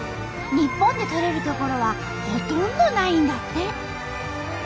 日本で採れる所はほとんどないんだって。